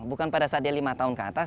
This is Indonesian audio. bukan pada saat dia lima tahun ke atas